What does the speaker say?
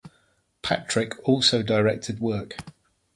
Patrick also directed work.